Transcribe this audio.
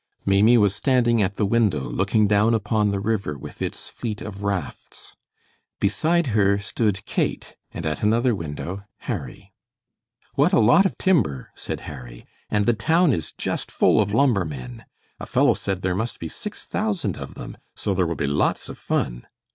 Maimie was standing at the window looking down upon the river with its fleet of rafts. Beside her stood Kate, and at another window Harry. "What a lot of timber!" said Harry. "And the town is just full of lumbermen. A fellow said there must be six thousand of them, so there will be lots of fun."